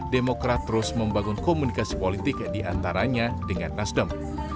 demokrat terus membangun komunikasi politik di antaranya dengan nasdem